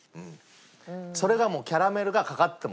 それがもうキャラメルがかかっててもいいです。